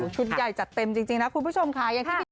ชุดใหญ่จัดเต็มจริงนะคุณผู้ชมค่ะ